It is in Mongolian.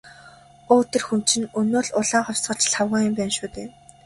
Өө тэр хүн чинь өнөө л «улаан хувьсгалч» Лхагва юм байна шүү дээ.